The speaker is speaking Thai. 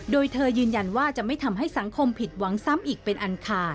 โดยเธอยืนยันว่าจะไม่ทำให้สังคมผิดหวังซ้ำอีกเป็นอันคา